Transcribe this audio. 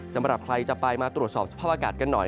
สำหรับใครจะไปมาตรวจสอบสภาพอากาศกันหน่อย